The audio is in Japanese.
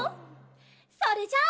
それじゃあ。